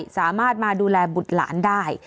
สามารถมาดูแลบุตรหลานได้